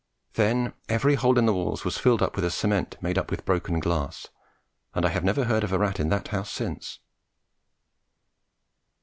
Then every hole in the walls was filled up with a cement made up with broken glass, and I have never heard of a rat in that house since.